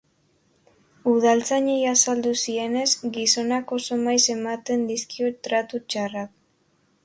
Udaltzainei azaldu zienez, gizonak oso maiz ematen dizkio tratu txarrak.